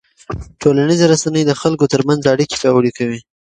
ټولنیزې رسنۍ د خلکو ترمنځ اړیکې پیاوړې کوي.